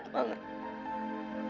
kok sebenarnya dia tuh sakit banget